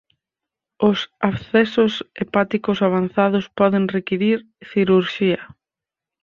Os abscesos hepáticos avanzados poden requirir cirurxía.